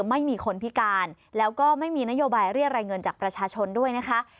ไม่มีคนพิการแล้วก็ไม่มีนโยบายเรียกรายเงินจากประชาชนด้วยนะคะ